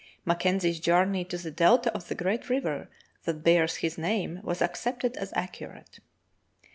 Mackenzie's journey to the delta of the great river that bears his name was accepted as accurate.